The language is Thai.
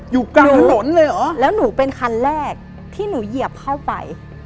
อยู่กลางถนนเลยเหรอแล้วหนูเป็นคันแรกที่หนูเหยียบเข้าไป